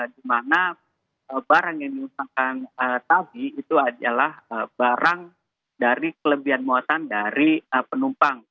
di mana barang yang diusahakan tadi itu adalah barang dari kelebihan muatan dari penumpang